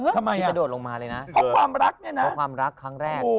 ที่จะโดดลงมาเลยนะเพราะความรักครั้งแรก